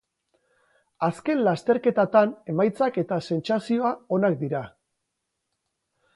Azken lasterketatan emaitzak eta sentsazioa onak dira.